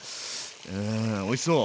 うんおいしそう！